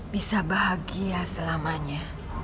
bisa bahagia selamanya